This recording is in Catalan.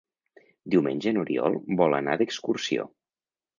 Diumenge n'Oriol vol anar d'excursió.